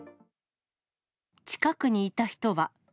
近くにいた人は。